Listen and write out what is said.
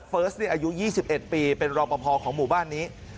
เฟิร์สอายุ๒๑ปีเป็นรอปภของหมู่บ้านนี้